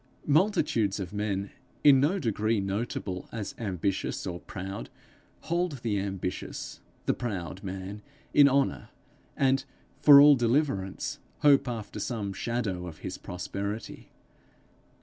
Multitudes of men, in no degree notable as ambitious or proud, hold the ambitious, the proud man in honour, and, for all deliverance, hope after some shadow of his prosperity.